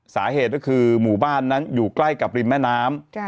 สาเหตุก็คือหมู่บ้านนั้นอยู่ใกล้กับริมแม่น้ำ